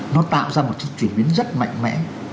nó tạo ra một cái chuyển biến rất mạnh mẽ